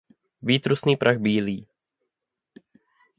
Výtrusný prach bílý.